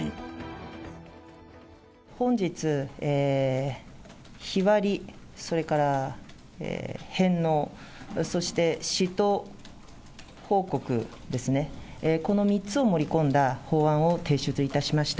本日、日割り、それから返納、そして使途報告ですね、この３つを盛り込んだ法案を提出いたしました。